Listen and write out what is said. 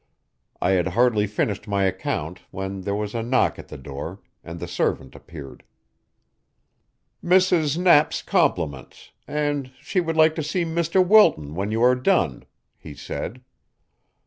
I had hardly finished my account when there was a knock at the door, and the servant appeared. "Mrs. Knapp's compliments, and she would like to see Mr. Wilton when you are done," he said.